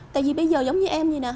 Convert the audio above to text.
tại vì bây giờ giống như em như này nè